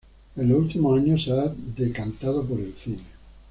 En los últimos años se ha decantado por el cine.